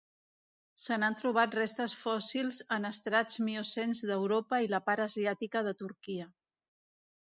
Se n'han trobat restes fòssils en estrats miocens d'Europa i la part asiàtica de Turquia.